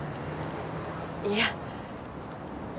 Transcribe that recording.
いや。